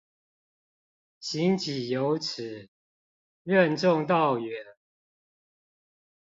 行己有恥，任重道遠